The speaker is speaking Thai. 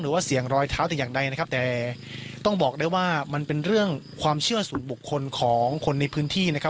หรือว่าเสียงรอยเท้าแต่อย่างใดนะครับแต่ต้องบอกได้ว่ามันเป็นเรื่องความเชื่อส่วนบุคคลของคนในพื้นที่นะครับ